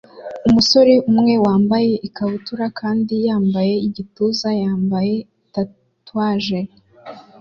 Umusore umwe wambaye ikabutura kandi yambaye igituza yambaye tatuwaje